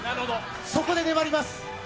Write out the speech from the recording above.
そこで粘ります。